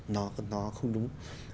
nó không đúng